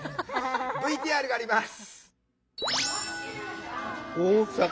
ＶＴＲがあります。